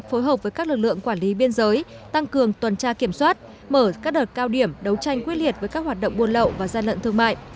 phối hợp với các lực lượng quản lý biên giới tăng cường tuần tra kiểm soát mở các đợt cao điểm đấu tranh quyết liệt với các hoạt động buôn lậu và gian lận thương mại